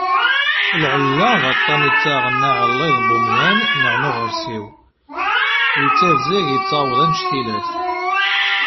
Lɛella d aṭan yettaɣen aɛelliḍ n umdan neɣ n uɣarsiw, yettabzag yettaweḍ anec-ilat.